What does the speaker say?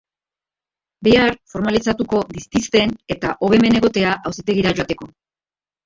Bihar formalizatuko ditizten eta hobe hemen egotea auzitegira joateko.